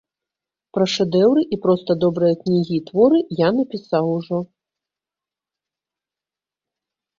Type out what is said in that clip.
Пра шэдэўры і проста добрыя кнігі і творы я напісаў ужо.